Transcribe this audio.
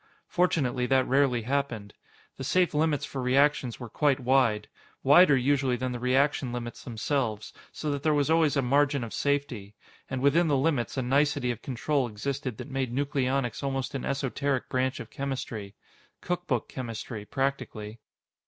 Fortunately, that rarely happened. The safe limits for reactions were quite wide wider, usually, than the reaction limits themselves, so that there was always a margin of safety. And within the limits, a nicety of control existed that made nucleonics almost an esoteric branch of chemistry. Cookbook chemistry, practically.